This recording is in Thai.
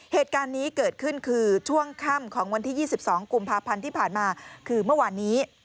เหตุการณ์นี้เกิดขึ้นคือช่วงค่ำของวันที่๒๒กุมภาพันธ์ที่ผ่านมาคือเมื่อวานนี้